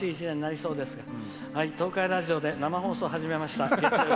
東海ラジオで生放送始めました。